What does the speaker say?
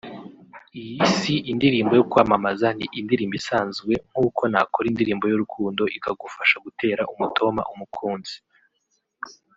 Iyi si indirimbo yo kwamamaza ni indirimbo isanzwe nkuko nakora indirimbo y’urukundo ikagufasha gutera umutoma umukunzi